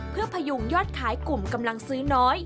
เพื่อพยุงยอดขายกลุ่มกำลังซื้อน้อย